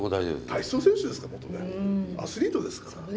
体操選手ですから、もともと、アスリートですから。